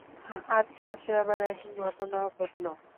আট মাসে আবার একই ঘটনা ঘটল।